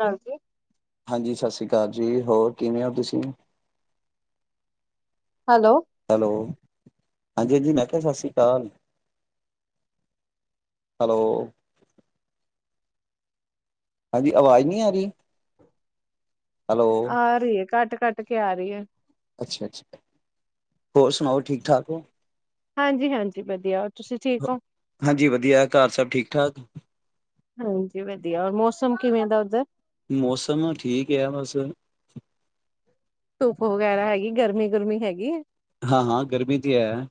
ਹਾਂਜੀ ਹਾਂਜੀ ਸਤਿ ਸ੍ਰੀ ਜੀ ਹੋਰ ਕਿਵੇਂ ਹੋ ਤੁਸੀਂ। ਹੈਲੋ। ਹੈਲੋ ਹਾਂਜੀ ਹਾਂਜੀ ਮੈਂ ਕਿਹਾ ਸਤਿ ਸ਼੍ਰੀ ਅਕਾਲ ਹੈਲੋ। ਹਾਂਜੀ ਆਵਾਜ਼ ਨਹੀਂ ਆ ਰਹੀ। ਹੈਲੋ ਆ ਰਹੀ ਹੈ ਘੱਟ ਕੱਟ ਕੇ ਆ ਰਹੀ ਹੈ। ਅੱਛਾ ਅੱਛਾ ਹੋਰ ਸੁਣਾਓ ਠੀਕ ਠਾਕ ਹੋ। ਹਾਂਜੀ ਹਾਂਜੀ ਵਧੀਆ। ਤੁਸੀਂ ਠੀਕ ਹੋ? ਹਾਂਜੀ ਵਧੀਆ ਘਰ ਸਭ ਠੀਕ ਠਾਕ। ਹਾਂਜੀ ਵਧੀਆ ਹੋਰ ਮੌਸਮ ਕਿਵੇਂ ਦਾ ਉੱਧਰ। ਮੌਸਮ ਠੀਕ ਹੈ ਬਸ। [unintelligible] ਧੂੱਪ ਵਗੈਰਾ ਹੈਗੀ ਗਰਮੀ ਗੁਰਮੀ ਹੈਗੀ। ਹਾਂ ਹਾਂ ਗਰਮੀ ਤਾਂ ਹੈ।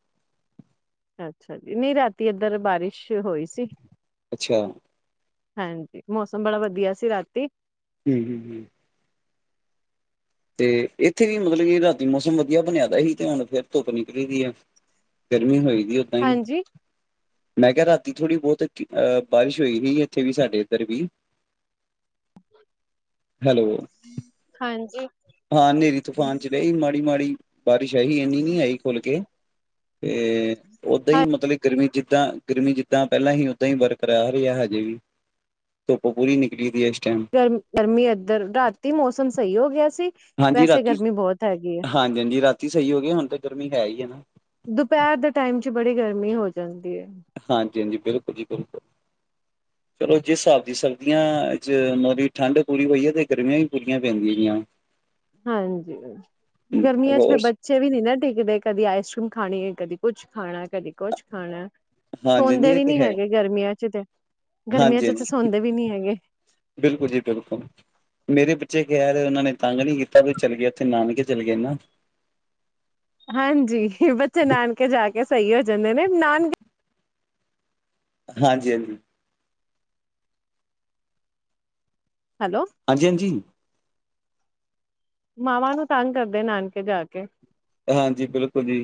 ਅੱਛਾ ਜੀ ਨਹੀਂ ਰਾਤੀ ਇੱਧਰ ਬਾਰਿਸ਼ ਹੋਈ ਸੀ। ਅੱਛਾ ਹਾਂਜੀ, ਮੌਸਮ ਬੜਾ, ਵਧੀਆ ਸੀ ਰਾਤੀ। ਹੂੰ-ਹੁੰ-ਹੂੰ। ਤੇ ਇੱਥੇ ਕੀ ਮਤਲਬ ਕਿ ਰਾਤੀ ਮੌਸਮ ਬਨਿਆਦਾ ਹੀ ਤੇ ਹੁਣ ਫੇਰ ਧੁੱਪ ਨਿਕਲੀ ਦੀ ਹੈ ਗਰਮੀ ਹੋਈ। ਦੀ ਹੇ ਟਾਈਮ। ਮੈਂ ਕਿਹਾ, ਰਾਤੀ ਥੋੜ੍ਹੀ ਬਹੁਤ ਅਹ ਬਾਰਿਸ਼ ਹੋਈ ਸੀ ਇੱਥੇ ਵੀ ਸਾਡੇ ਇੱਧਰ ਵੀ ਹੈਲੋ। ਹਾਂਜੀ-ਹਾਂਜੀ ਹਾਂ, ਹਨੇਰੀ ਤੂਫਾਨ ਚ ਰਹੀ ਮਾੜੀ-ਮਾੜੀ ਬਾਰਿਸ਼ ਆਹੀ ਇੰਨੀ ਨੀ ਆਈ ਖੁੱਲ ਕੇ ਤੇ ਓਦਾਂ ਹੀ ਹਾਂ ਮਤਲਬ ਗਰਮੀ ਚ ਜਿੱਦਾਂ ਗਰਮੀ ਜਿੱਦਾਂ ਪਹਿਲਾਂ ਹੀ ਓਦਾਂ ਹੀ ਬਰਕਰਾਰ ਹੈ ਹਜੇ ਵੀ ਧੁੱਪ ਪੂਰੀ ਨਿਕਲੀ ਦੀ ਹੈ। ਟਾਈਮ ਗਰਮ ਗਰਮੀ ਇੱਧਰ ਰਾਤੀ ਮੌਸਮ ਸਹੀ ਹੋ ਗਿਆ ਸੀ। ਹਾਂਜੀ ਵੈਸੇ ਗਰਮੀ ਬਹੁਤ ਹੈਗੀ ਆ। ਤੀ ਸਹੀ ਹੋ ਗਏ ਹੁਣ ਤਾਂ ਗਰਮੀ ਹੈ ਹੀ ਹੈਨਾ। ਦੁਪਹਿਰ ਦੇ ਟਾਈਮ ਚ ਬੜੀ ਗਰਮੀ ਹੋ ਜਾਂਦੀ ਹੈ। ਹਾਂਜੀ- ਹਾਂਜੀ ਬਿਲਕੁਲ ਜੀ ਬਿਲਕੁਲ, ਚਲੋ ਜਿਸ ਹਿਸਾਬ ਦੀ ਸਰਦੀਆਂ ਚ ਮਤਲਬ ਕੀ ਠੰਢ ਪੂਰੀ ਹੋਈ ਹੈ ਤੇ ਗਰਮੀਆਂ ਵੀ ਪੂਰੀਆਂ ਪੈਂਦੀਆਂ ਪਿਆਂ। ਹਾਂਜੀ, ਗਰਮੀਆਂ ਚ ਫ ਹੋਰ ਬੱਚੇ ਵੀ ਨੀ ਨਾ ਟੇਕਦੇ ਕਦੀ ਆਈਸਕ੍ਰੀਮ ਖਾਣੀ ਹੈ ਕਦੀ ਕੁਛ ਖਾਣਾ ਕਦੀ ਕੁਛ ਖਾਣਾ, ਹਾਂਜੀ ਹਾਂਜੀ ਸੌਂਦੇ ਇਹ ਵੀ ਤੇ ਨੀ ਹੈ ਹੈਗੇ ਗਰਮੀਆਂ ਚ ਤੇ ਗਰਮੀਆਂ ਹਾਂਜੀ ਚ ਤੇ ਹਾਂਜੀ ਸੌਂਦੇ ਵੀ ਨੀ ਹੈਗੇ। ਬਿਲਕੁਲ ਜੀ ਬਿਲਕੁਲ ਮੇਰੇ ਬੱਚੇ ਖੈਰ ਉਹਨਾਂ ਨੇ ਤੰਗ ਨਹੀਂ ਕੀਤਾ ਵੀ ਚਲ ਗਏ ਉਥੇ ਨਾਨਕੇ ਚਲੇ ਗਏ ਨਾ। ਹਾਂਜੀ, ਬੱਚੇ ਨਾਨਕੇ ਜਾ ਕੇ ਸਹੀ ਹੋ ਜਾਂਦੇ ਨੇ ਨਾਨ ਹਾਂਜੀ-ਹਾਂਜੀ। ਹੈਲੋ ਹਾਂਜੀ-ਹਾਂਜੀ। ਮਾਵਾਂ ਨੂੰ ਤੰਗ ਕਰਦੇ ਨਾਨਕੇ ਜਾ ਕੇ। ਹਾਂਜੀ, ਬਿਲਕੁਲ ਜੀ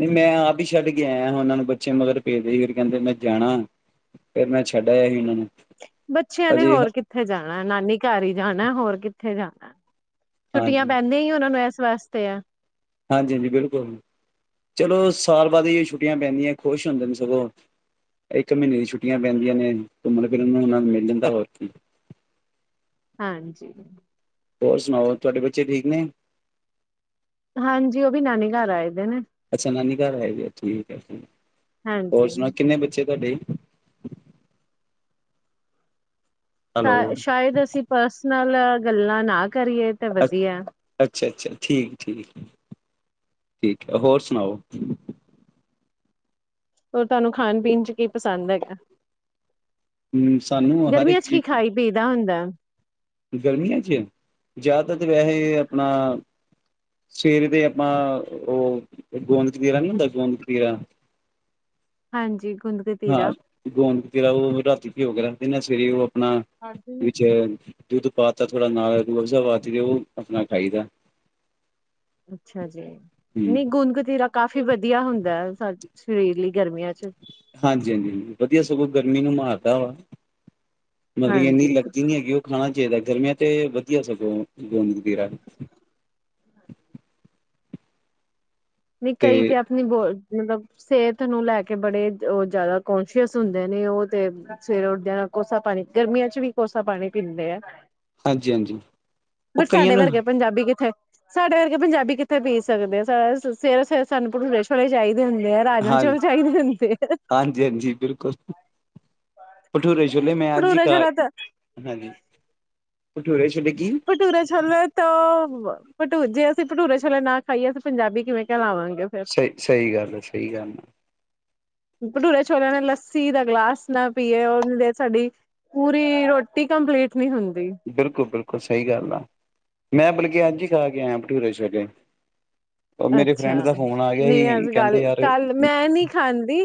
ਨਹੀਂ ਮੈਂ ਆਪ ਹੀ ਛੱਡ ਕੇ ਆਇਆ ਉਹਨਾਂ ਨੂੰ ਬੱਚੇ ਮਗਰ ਪੇਦੇ ਸੀ ਫਿਰ ਕਹਿੰਦੇ ਮੈਂ ਜਾਣਾ ਫਿਰ ਮੈਂ ਛੱਡ ਆਇਆ ਸੀ ਉਹਨਾਂ ਨੂੰ। ਬੱਚਿਆਂ ਨੇ ਅਜੇ ਹਾਂਜੀ, ਹੋਰ ਕਿੱਥੇ ਜਾਣਾ ਨਾਨੀ ਘਰ ਹੀ ਜਾਣਾ ਹੋਰ ਕਿੱਥੇ ਜਾਣਾ। ਛੁੱਟੀਆਂ ਪੈਂਦੀਆਂ ਹੀ ਉਹਨਾਂ ਨੂੰ ਐ ਵਾਸਤੇ ਆ। ਹਾਂਜੀ -ਹਾਂਜੀ ਬਿਲਕੁਲ, ਚਲੋ ਸਾਲ ਬਾਅਦ ਹੀ ਛੁੱਟੀਆਂ ਪੈਂਦੀਆਂ ਖੁਸ਼ ਹੁੰਦੇ ਨੇ ਸਗੋਂ ਇੱਕ ਮਹੀਨੇ ਦੀ ਛੁੱਟੀਆਂ ਪੈਂਦੀਆਂ ਨੇ ਘੁੰਮਣ ਫਿਰਨ ਨੂੰ ਉਹਨਾਂ ਨੂੰ ਮਿਲ ਜਾਂਦਾ ਹੋਰ ਕੀ। ਹਾਂਜੀ। ਹੋਰ ਸੁਣਾਓ ਤੁਹਾਡੇ ਬੱਚੇ ਠੀਕ ਨੇ। ਹਾਂਜੀ ਉਹ ਵੀ ਨਾਨੀ ਘਰ ਆਏ ਦੇ ਨੇ ਅੱਛਾ, ਨਾਨੀ ਘਰ ਹੈਗੀ ਆ ਠੀਕ ਹੈ ਜੀ ਹੋਰ ਹਾਂਜੀ ਸੁਣਾਓ, ਕਿੰਨੇ ਬੱਚੇ ਤੁਹਾਡੇ। ਹੈਲੋ ਸ਼ਾਇਦ ਸ਼ਾਇਦ ਅਸੀਂ ਪਰਸਨਲ ਲੈ ਗੱਲਾਂ ਨਾਲ ਕਰੀਏ ਤੇ ਵਧੀਆ ਅੱਛਾ ਅੱਛਾ ਠੀਕ ਠੀਕ ਠੀਕ ਤੇ ਹੋਰ ਸੁਣਾਓ ਹੋਰ ਤੁਹਾਨੂੰ ਖਾਣ ਪੀਣ ਚ ਕੀ ਪਸੰਦ ਹੈਗਾ ਹਮ ਸਾਨੂੰ ਗਰਮੀਆਂ ਹਰੇਕ ਚ ਕੀ ਚੀਜ਼ ਖਾਈ ਪੀ ਦਾ ਹੁੰਦਾ? ਗਰਮੀਆਂ 'ਚ ਜ਼ਿਆਦਾ ਤੇ ਵੈਹੇ ਆਪਣਾ ਸਵੇਰੇ ਤੇ ਆਪਾਂ ਉਹ ਗੋਂਦ ਕਤੀਰਾ ਨਹੀਂੀ ਹੁੰਦਾ ਗੋਦਕਤੀਰਾ ਹਾਂਜੀ ਗੁੰਦ ਹਾ ਕਤੀਰਾ। ਗੂੰਦ ਕਤੀਰਾ ਓ ਭਿਉਂ ਕੇ ਰੱਖ ਦਿਨਾ ਸਵੇਰੇ ਹੀ ਓ ਨਾ ਸਾਡੇ ਨੀ ਵਿੱਚ ਏ ਦੁੱਧ ਪਾਤਾ ਥੋੜਾ ਨਾ ਹਜੂਰ ਅੱਛਾ ਜੀ ਨਹੀਂ ਗੁੰਦਕਤੀਰਾ ਤਾ ਕਾਫੀ ਵਧੀਆ ਹੁੰਦਾ ਸਾ ਸਰੀਰ ਲਈ ਗਰਮੀਆਂ ਚ ਹਾਂਜੀ ਹਾਂਜੀ ਵਧੀਆ ਸਗੋਂ ਗਰਮੀ ਨੂੰ ਮਾਰਦਾ ਵਾ ਮਤਲਬ ਕਿ ਇੰਨੀ ਹਾਂਜੀ ਲੱਗਦੀ ਨੀ ਹੈਗੀ ਉਹ ਖਾਣਾ ਚਾਹੀਦਾ ਗਰਮੀਆਂ ਤੇ ਵਧੀਆ ਸਗੋਂ ਗੋਂਦਕਤੀਰਾ ਨਹੀ ਕਈ ਤੇ ਆਪਣੀ ਬੋਲ ਮਤਲਬ ਸਿਹਤ ਹਾਂਜੀ ਹਾਂਜੀ ਉਹ ਬਟ ਕਈਆਂ ਸਾਡੇ ਵਰਗੇ ਪੰਜਾਬੀ ਕਿੱਥੇ ਸਾਡੇ ਵਰਗੇ ਪੰਜਾਬੀ ਕਿੱਥੇ ਬੀਜ ਸਕਦੇ ਬੀਜ ਸਕਦੇ ਸਰ ਸਵੇਰੇ ਸਵੇਰੇ ਸਾਨੂੰ ਭਟੂਰੇ ਛੋਲੇ ਚਾਹੀਦੇ ਹੁੰਦੇ ਆ ਰਾਜਮਾਂ ਚੌਲ ਚਾਹੀਦੇ ਹੁੰਦੇ ਆ ਹਾਂਜੀ ਹਾਂਜੀ ਬਿਲਕੁਲ ਭਟੂਰੇ ਛੋਲੇ ਮੈ ਅੱਜ ਭਟੂਰੇ ਛੋਲੇ ਤਾਂ ਭਟੂਰੇ ਭਟੂਰੇ ਛੋਲੇ ਤਾ ਵਾਹ ਭਟੂਰੇ ਜੇ ਅਸੀਂ ਭਟੂਰੇ ਛੋਲੇ ਨਾ ਖਾਈਏ ਅਸੀਂ ਪੰਜਾਬੀ ਕਿਵੇਂ ਕਹਿਲਾਵਾਂਗੇ ਫੇਰ ਸਹੀ ਸਹੀ ਗੱਲ ਹੈ ਸਹੀ ਗੱਲ ਆ ਭਟੂਰੇ ਛੋਲਿਆਂ ਨਾਲ ਲੱਸੀ ਦਾ ਗਲਾਸ ਨਹੀਂ ਹੁੰਦੀ ਬਿਲਕੁਲ ਬਿਲਕੁਲ ਸਹੀ ਗੱਲ ਆ ਮੈਂ ਬਲ ਕਿ ਅੱਜ ਹੀ ਖਾ ਕੇ ਆਇਆ ਭਟੂਰੇ ਛੋਲੇ ਉਹ ਮੇਰੇ ਅੱਛਾ ਫਰੈਂਡ ਦਾ ਫੋਨ ਆ ਗਿਆ ਸੀ ਕਹਿੰਦੇ ਯਾਰ ਮੈ ਨੀ ਖਾਂਦੀ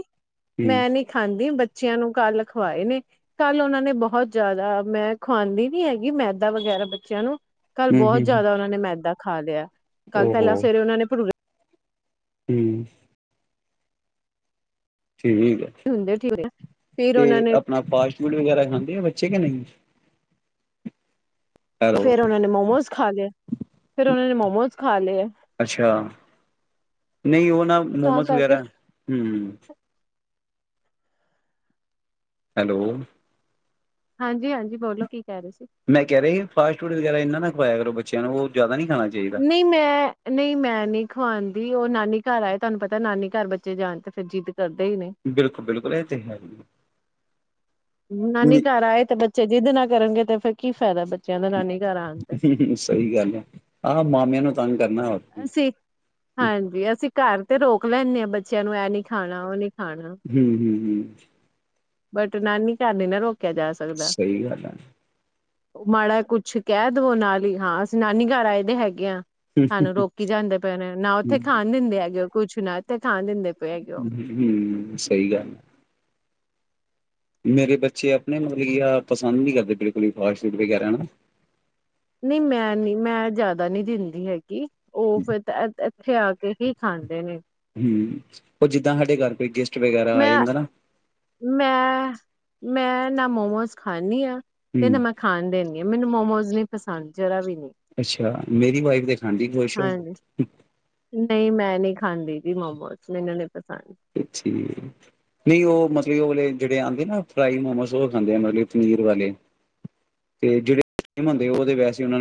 ਹਮ ਮੈ ਨੀ ਖਾਂਦੀ ਬੱਚੇ ਬੱਚਿਆਂ ਨੂੰ ਕੱਲ ਖਵਾਏ ਨੇ ਕੱਲ ਉਹਨਾਂ ਨੇ ਬਹੁਤ ਜ਼ਿਆਦਾ ਮੈਂ ਖਵਾਉਦੀ ਨੀ ਹੈਗੀ ਮੈਦਾ ਵਗੈਰਾ ਬੱਚਿਆਂ ਨੂੰ ਕੱਲ੍ਹ ਹਮ ਬਹੁਤ ਹਮ ਜ਼ਿਆਦਾ ਉਹਨਾਂ ਨੇ ਮੈਦਾ ਖਾ ਲਿਆ ਕੱਲ ਪਹਿਲਾਂ ਸਵੇਰੇ ਉਹਨਾਂ ਨੇ [inaudible] ਹੂੰ, ਠੀਕ ਹੈ, ਹੁੰਦੇ ਠੀਕ ਫਿਰ ਤੇ ਉਹਨਾਂ ਨੇ ਆਪਣਾ ਫਾਸਟ ਫੂਡ ਵਗੈਰਾ ਜਾਂਦੇ ਆ ਬੱਚੇ ਕਿ ਨਹੀਂ ਹੈਲੋ ਫਿਰ ਉਹਨਾਂ ਨੇ ਮੋਮੋਜ਼ ਖਾ ਲਏ, ਫਿਰ ਉਹਨਾਂ ਨੇ ਮੋਮੋਜ਼ ਖਾ ਲਏ ਅੱਛਾ ਨਹੀਂ ਉਹ ਨਾ ਤਾਂ ਮੋਮੋਸ ਕਰਕੇ ਵਗੈਰਾ ਹਮ ਹੈਲੋ, ਹਾਂਜੀ -ਹਾਂਜੀ, ਬੋਲੋ ਕੀ ਕਹਿ ਰਹੇ ਸੀ। ਮੈਂ ਕਹਿ ਰਹੀ ਸੀ ਫਾਸਟ ਫੂਡ ਵਗੈਰਾ ਇਨਾਂ ਨਾ ਖਵਾਇਆ ਕਰੋ, ਬੱਚਿਆਂ ਨੂੰ ਉਹ ਜ਼ਿਆਦਾ ਨੀ ਨਹੀਂ, ਮੈਂ ਨਹੀਂ ਮੈਂ ਨੀ ਖੁਆਂਦੀ ਉਹ ਨਾਨੀ ਘਰ ਆਏ, ਤੁਹਾਨੂੰ ਪਤਾ ਨਾਨੀ ਘਰ ਬੱਚੇ ਜਾਣ ਤੇ ਫਿਰ ਜਿਦ ਬਿਲਕੁਲ -ਬਿਲਕੁਲ ਇਹ ਤੇ ਹੈ। ਨਾਨੀ ਹੀ। ਘਰ ਆਏ ਤੇ ਬੱਚੇ ਜਿੱਦ ਨਾ ਕਰਨਗੇ। ਤੇ ਫੇਰ ਕੀ ਫਾਇਦਾ ਬੱਚਾ ਸਹੀ ਗੱਲ ਹੈ, ਆਹ ਮਾਮਿਆਂ ਨੂੰ ਤੰਗ ਕਰਨਾ ਹੋਰ ਕੀ ਅਸੀਂ ਹਾਂਜੀ ਅਸੀਂ ਘਰ ਤੇ ਰੋਕ ਲੈਂਦੇ ਆਂ ਬੱਚਿਆਂ ਨੂੰ ਇਹ ਨੀ ਖਾਣਾ, ਉਹ ਨੀ ਖਾਣਾ ਹੂੰ -ਹੂੰ- ਹੂੰ। [unintelligible] ਬਟ ਨਾਨੀ ਘਰ ਨਹੀਂ ਨਾ ਰੋਕ ਸਹੀ ਗੱਲ ਹੈ। ਮਾੜਾ ਕੁਛ ਕਹਿ ਦਵੋ ਨਾਲ ਹੀ ਹਾਂ ਅਸੀਂ ਨਾਨੀ ਘਰ ਆਏ ਦੇ ਹੈਗੇ ਹਾਂ। ਹੂੰ, ਸਾਨੂੰ ਰੋਕੀ ਜਾਂਦੇ ਪਏ ਨੇ, ਨਾ ਉੱਥੇ ਖਾਣ ਦਿੰਦੇ ਹੈਗੇ ਉਹ ਕੁਛ ਨਾ ਤੇ ਹੂੰ, ਸਹੀ ਗੱਲ ਐ। ਮੇਰੇ ਬੱਚੇ ਆਪਣੇ ਮਤਲਬ ਕੀ ਆ ਪਸੰਦ ਨਹੀਂ ਕਰਦੇ, ਬਿਲਕੁਲ ਫਾਸਟ ਫੂਡ ਵਗੈਰਾ ਨਾ ਨਹੀਂ ਮੈਂ ਨੀ ਮੈਂ ਜ਼ਿਆਦਾ ਨਹੀਂ ਦਿੰਦੀ ਹੈਗੀ। ਉਹ ਫਿਰ ਤਾਂ ਉੱਥੇ ਆ ਕੇ ਹੀ ਖਾਂਦੇ ਨੇ। ਹੂੰ, ਉਹ ਜਿੱਦਾਂ ਸਾਡੇ ਘਰ ਕੋਈ ਗੈਸਟ ਵਗੈਰਾ ਆਇਆ ਮੈਂ ਹੁੰਦਾ ਨਾ ਮੈਂ, ਮੈਂ ਨਾ ਮੋਮੋਸ ਖਾਂਨੀ ਹਾਂ। ਤੇ ਨਾ ਹੂੰ, ਮੈਂ ਖਾਣ ਦੇਨੀ। ਮੈਨੂੰ ਮੋਮੋਸ ਨੀ ਪਸੰਦ ਜਿਹੜਾ ਵੀ ਨੀ ਅੱਛਾ, ਮੇਰੀ ਵਾਈਫ ਦੇ ਖਾਂਦੀ ਦੀ ਖੁਸ਼ ਹੋ। ਹਾਂਜੀ ਨਹੀਂ ਮੈਂ ਨਹੀਂ ਖਾਂਦੀ ਜੀ ਮੋਮੋਸ, ਮੈਨੂੰ ਨੀ ਪਸੰਦ ਠੀਕ, ਨਹੀਂ ਉਹ ਮਤਲਬ ਜਿਹੜੇ ਆਉਂਦੇ ਨਾ ਫਰਾਈ ਮੋਮੋਸ ਉਹ ਖਾਂਦੇ ਆ ਮਤਲਬ ਪਨੀਰ ਵਾਲੇ ਤੇ ਜਿਹੜੇ ਸਟੀਮ ਹੁੰਦੇ ਉਹਦੇ ਵੈਸੇ ਉਹਨਾ ਨੂੰ